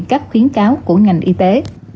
các khuyến cáo của ngành y tế